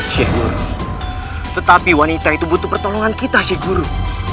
syeh guru tetapi wanita itu butuh pertolongan kita syeh guru